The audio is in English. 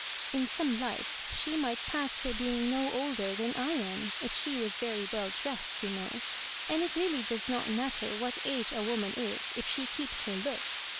In some lights she might pass for being no older than I am — if she was very well dressed, you know ; and it really does not matter what age a womau is if she keeps her looks.